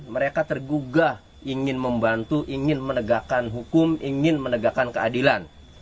mereka tergugah ingin membantu ingin menegakkan hukum ingin menegakkan keadilan